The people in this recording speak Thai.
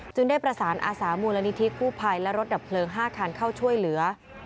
ได้ประสานอาสามูลนิธิกู้ภัยและรถดับเพลิง๕คันเข้าช่วยเหลือ